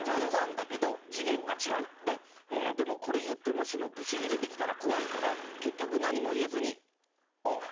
でもこれ言ってもしもぶちギレてきたら怖いから結局何も言えずに「おぅ。おぅ」っつって。